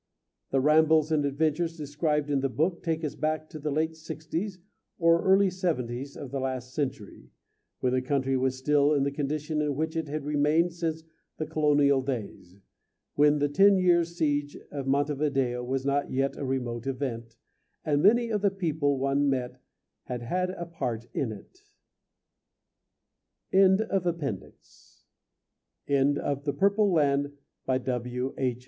The rambles and adventures described in the book take us back to the late 'sixties or early 'seventies of the last century, when the country was still in the condition in which it had remained since the colonial days, when the ten years' siege of Montevideo was not yet a remote event, and many of the people one met had had a part in it. End of the Project Gutenberg EBook of The Purple Land, by W. H.